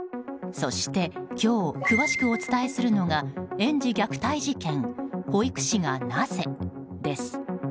そして今日詳しくお伝えするのが園児虐待事件保育士がなぜ？です。